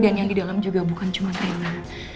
dan yang di dalam juga bukan cuma renda